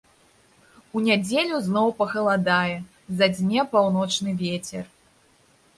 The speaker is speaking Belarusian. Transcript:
У нядзелю зноў пахаладае, задзьме паўночны вецер.